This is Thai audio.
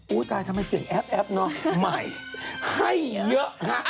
อุ้ยตายทำไมเสียงแอ๊บเนอะใหม่ให้เยอะ